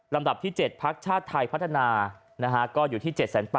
ดับที่๗พักชาติไทยพัฒนาก็อยู่ที่๗๘๐๐